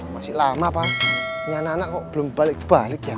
masih lama pak nyana kok belum balik balik ya